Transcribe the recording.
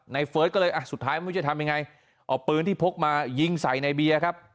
นายเฟิร์สก็เลยสุดท้ายมันจะทำยังไงเอาปืนที่พกมายิงใส่ในเบียครับ